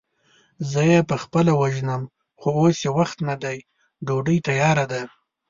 زه يې خپله وژنم، خو اوس يې وخت نه دی، ډوډۍ تياره ده.